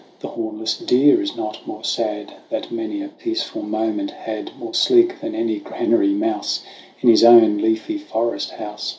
The hornless deer is not more sad That many a peaceful moment had, More sleek than any granary mouse, In his own leafy forest house.